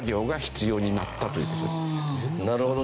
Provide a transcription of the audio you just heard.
なるほど。